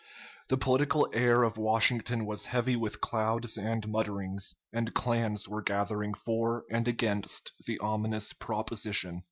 The political air of Washington was heavy with clouds and mutterings, and clans were gathering for and against the ominous proposition.